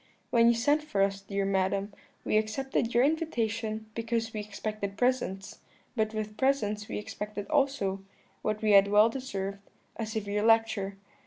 "'When you sent for us, dear madam,' she said, 'we accepted your invitation because we expected presents; but with presents we expected also, what we had well deserved, a severe lecture.